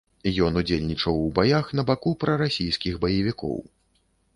Ён удзельнічаў у баях на баку прарасійскіх баевікоў.